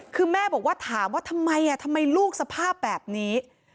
คือแม่บอกว่าถามว่าทำไมทำไมลูกสภาพแบบนี้